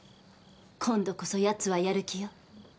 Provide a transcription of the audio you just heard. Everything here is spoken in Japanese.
今度こそ奴はやる気よ。